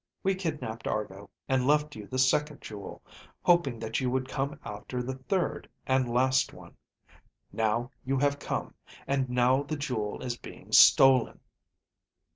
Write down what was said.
We kidnaped Argo and left you the second jewel, hoping that you would come after the third and last one. Now you have come, and now the jewel is being stolen."